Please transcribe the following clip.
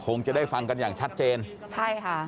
คงจะได้ฟังกันอย่างชัดเจนใช่ค่ะ